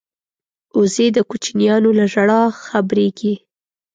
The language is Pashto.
وزې د کوچنیانو له ژړا خبریږي